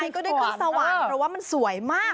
ก็ได้ขึ้นสวรรค์เพราะว่ามันสวยมาก